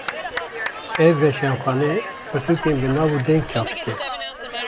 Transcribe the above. Ev weşanxane, pirtûkên bi nav û deng çap dike